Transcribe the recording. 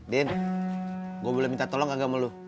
din gua boleh minta tolong gak sama lu